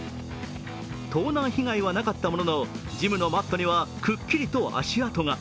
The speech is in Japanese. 盗難被害はなかったものの、ジムのマットにはくっきりと足跡が。